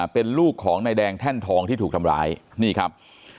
เป็นลูกของนายแดงแท่นทองที่ถูกทำร้ายนี่ครับ